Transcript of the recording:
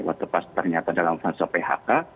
atau pas ternyata dalam fase phk